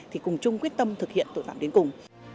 thì cùng chung quyết tâm thực hiện tội phạm đến cùng